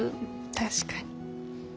確かに。